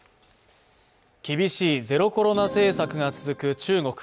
厳しいゼロコロナ政策が続く中国。